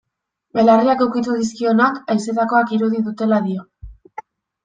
Belarriak ukitu dizkionak, haizetakoak irudi dutela dio.